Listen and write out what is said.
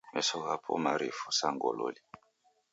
Meso ghapo ni marifu sa gololi.